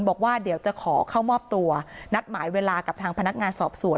บอกว่าเดี๋ยวจะขอเข้ามอบตัวนัดหมายเวลากับทางพนักงานสอบสวน